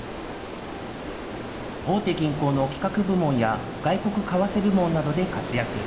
大手銀行の企画部門や、外国為替部門などで活躍。